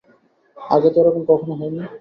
আগে তো এরকম কখনো হয় নি!